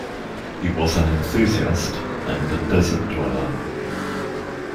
He was an enthusiast and a desert dweller.